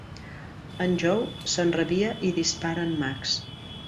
En Joe s'enrabia i dispara en Max.